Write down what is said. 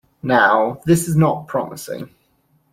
Now, this is not promising.